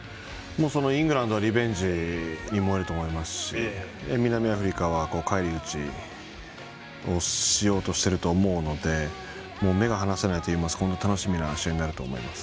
イングランドはリベンジに燃えると思いますし南アフリカは返り討ちをしようとしていると思うので目が離せないというか楽しみな試合になると思います。